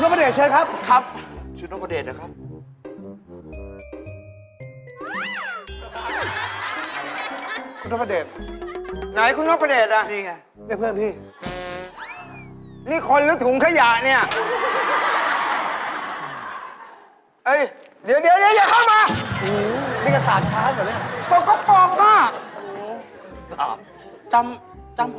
ไม่ใช่คุณพระเดชเชิญครับครับ